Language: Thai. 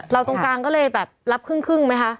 ตรงกลางก็เลยแบบรับครึ่งไหมคะ